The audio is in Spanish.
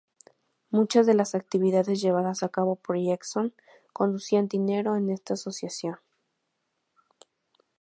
Muchas de las actividades llevadas a cabo por Jackson conducían dinero en esta asociación.